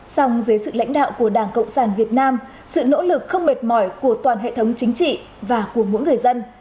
song dưới sự lãnh đạo của đảng cộng sản việt nam sự nỗ lực không mệt mỏi của toàn hệ thống chính trị và của mỗi người dân